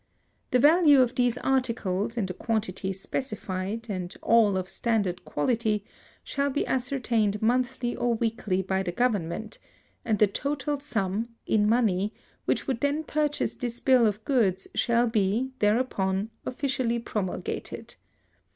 The value of these articles, in the quantities specified, and all of standard quality, shall be ascertained monthly or weekly by Government, and the total sum [in money] which would then purchase this bill of goods shall be, thereupon, officially promulgated.